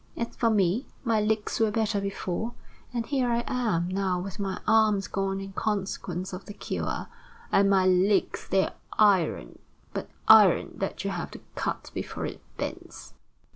As for me, my legs were better before, and here I am now with my arms gone in consequence of the cure. And my legs, they're iron, but iron that you have to cut before it bends."